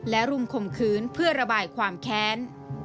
และรุมข่มขืนเพื่อระบายความแค้น